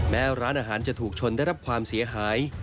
แม้ร้านอาหารจะถูกชนได้รับความเสียหาย